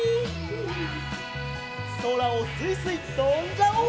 そらをすいすいとんじゃおう！